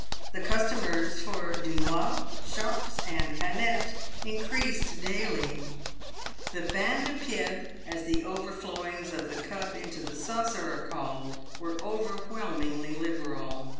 The customers for du noir, choppes, and canettes increased daily. The oains de pied — as the overflowings of the cup into the saucer are called — were overwhelmingly liberal.